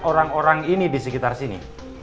orang orang ini di sekitar sini